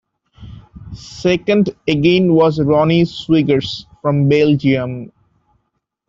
Second again was Ronny Swiggers from Belgium.